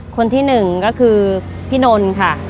คนที่๑ก็คือพี่นนท์ค่ะ